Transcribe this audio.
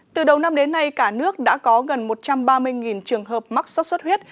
từ đầu năm đến nay cả nước đã có gần một trăm ba mươi trường hợp mắc sốt xuất huyết